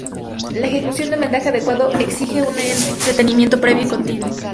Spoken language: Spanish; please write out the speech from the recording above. La ejecución de un vendaje adecuado, exige un entrenamiento previo y continuado.